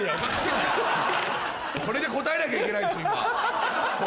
それで答えなきゃいけないんでしょ？